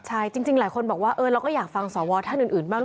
ใช่จริงหลายคนบอกว่าเราก็อยากฟังสวท่านอื่นบ้าง